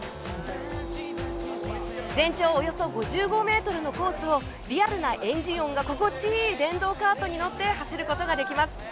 全長およそ５５ｍのコースをリアルなエンジン音が心地いい電動カートに乗って走ることができます。